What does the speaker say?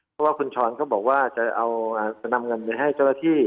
เพราะว่าคุณช้อนเขาบอกว่าจะนำเงินไปให้เจ้าหน้าที่